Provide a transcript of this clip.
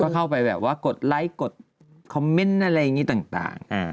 เข้าไปแบบว่ากดไลค์กดคอมเมนต์อะไรอย่างนี้ต่าง